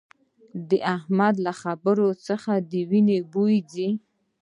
د احمد له خبرو څخه د وينې بوي ځي